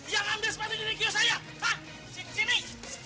yang ambil sepatu dari kiosah ini